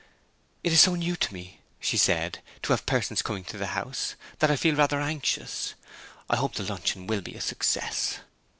'It is so new to me,' she said, 'to have persons coming to the house, that I feel rather anxious. I hope the luncheon will be a success.'